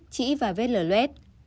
chỉ và vết lở luet